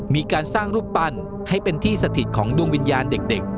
มีการสร้างรูปปั้นให้เป็นที่สถิตของดวงวิญญาณเด็ก